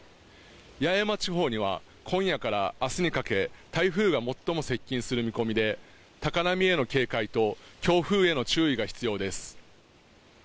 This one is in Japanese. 八重山地方には今夜から明日にかけ台風が最も接近する見込みで高波への警戒と強風への注意が必要です